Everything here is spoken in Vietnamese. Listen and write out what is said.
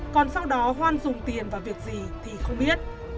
còn sau đó hoan dùng tiền vào việc gì thì không biết